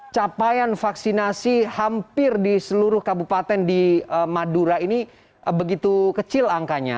capaian vaksinasi hampir di seluruh kabupaten di madura ini begitu kecil angkanya